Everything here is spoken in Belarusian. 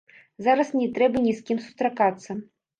Зараз не трэба ні з кім сустракацца.